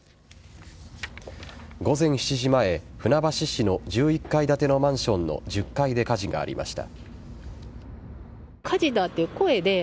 午前７時前船橋市の１１階建てのマンションの１０階で火事がありました。